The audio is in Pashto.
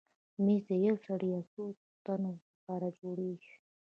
مېز د یو سړي یا څو تنو لپاره جوړېږي.